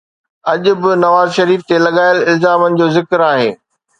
اڄ به نواز شريف تي لڳايل الزامن جو ذڪر آهي.